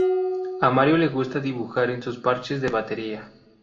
A Mario le gusta dibujar en sus parches de batería.